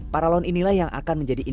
paralon inilah yang akan menjadi